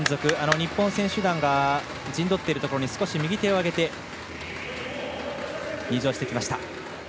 日本選手団が陣取っているところにすこし右手をあげて入場してきました。